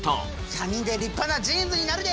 ３人で立派なジーンズになるで！